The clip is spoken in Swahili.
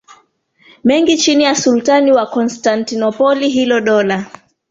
mengi chini ya Sultani wa Konstantinopoli Hilo dola